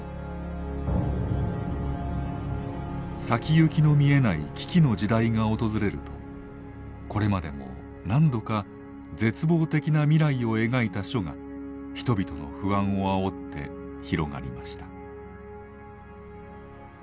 先行きの見えない危機の時代が訪れるとこれまでも何度か絶望的な未来を描いた書が人々の不安をあおって広がりました。